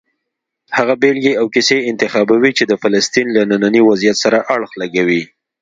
هغه بېلګې او کیسې انتخابوي چې د فلسطین له ننني وضعیت سره اړخ لګوي.